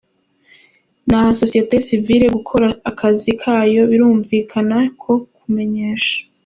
Ni aha sosiyete sivile gukora akazi kayo, birumvikana ko kumenyesha.